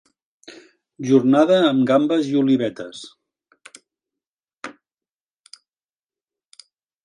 Jornada amb gambes i olivetes.